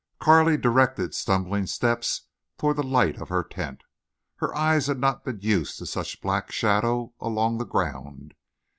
Carley directed stumbling steps toward the light of her tent. Her eyes had not been used to such black shadow along the ground.